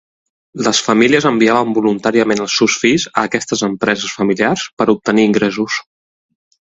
Les famílies enviaven voluntàriament els seus fills a aquestes empreses familiars per obtenir ingressos.